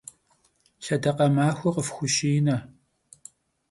Lhedakhe maxue khıfxuşine!